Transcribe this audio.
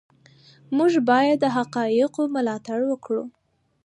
موږ باید د حقایقو ملاتړ وکړو.